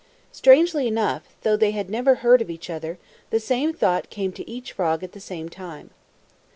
Strangely enough, though they had never heard of each other, the same thought came to each frog at the same time.